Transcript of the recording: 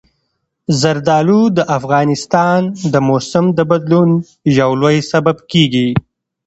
زردالو د افغانستان د موسم د بدلون یو لوی سبب کېږي.